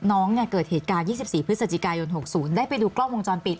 น้องเนี้ยเกิดเหตุการณ์ยี่สิบสี่พฤษจิกายนหกศูนย์ได้ไปดูกล้องมงจรปิด